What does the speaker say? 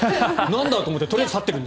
なんだと思って。